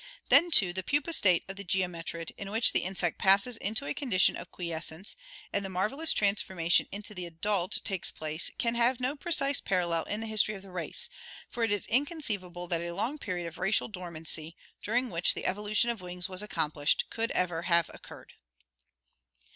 Then, too, the pupa state of the geometrid, in which the insect passes into a condition of quiescence and the mar velous transformation into the adult takes place, can have no precise parallel in the history of the race, for it is inconceivable that a long period of racial dor mancy, during which the evolution of wings was accomplished, could ever have occurred.